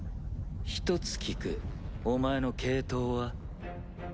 １つ聞くお前の系統は？